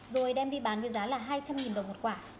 rồi đem đi bán với giá là hai trăm linh đồng một quả